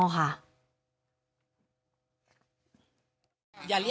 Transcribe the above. อ๋อค่ะ